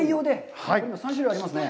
３種類ありますね。